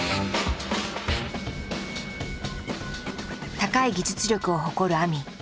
高い技術力を誇るＡＭＩ。